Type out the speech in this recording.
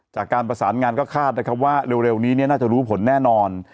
จากการประสานงานก็คาดนะครับว่าเร็วนี้น่าจะรู้ผลแน่นอน